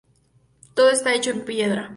Todo está hecho en piedra.